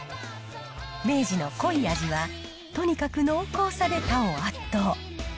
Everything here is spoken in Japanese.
明治の濃い味は、とにかく濃厚さで他を圧倒。